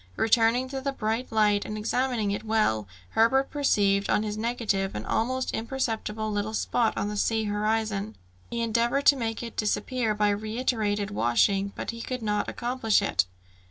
Returning to the bright light, and examining it well, Herbert perceived on his negative an almost imperceptible little spot on the sea horizon. He endeavoured to make it disappear by reiterated washing, but could not accomplish it.